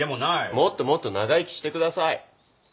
もっともっと長生きしてください。